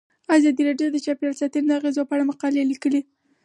ازادي راډیو د چاپیریال ساتنه د اغیزو په اړه مقالو لیکلي.